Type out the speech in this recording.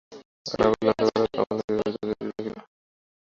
অনাবিল অন্ধকার কমলাকে আবৃত করিয়া রাখিল, কিন্তু তাহার দৃষ্টিকে বাধা দিল না।